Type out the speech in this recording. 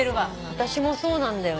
私もそうなんだよね。